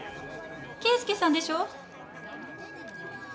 圭介さんでしょ？